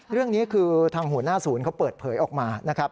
เรื่องนี้คือทางหัวหน้าศูนย์เขาเปิดเผยออกมานะครับ